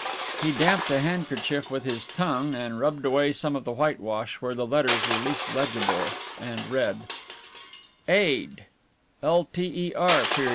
He damped a handkerchief with his tongue and rubbed away some of the whitewash where the letters were least legible and read: AID LTER.